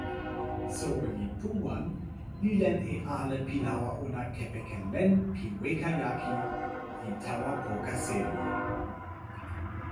soweli Puwan li len e ale pi lawa ona kepeken len pi weka jaki, li tawa poka seli.